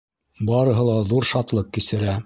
Барыһы ла ҙур шатлыҡ кисерә!